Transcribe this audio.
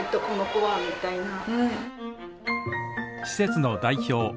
施設の代表